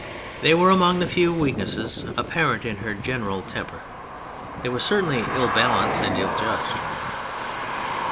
They were among the few weaknesses apparent in her general tem per. They were certainly ill balanced and ill judged.